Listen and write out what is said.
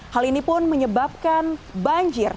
hal ini pun menyebabkan banjir